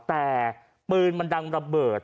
แต่ปืนมันดังระเบิด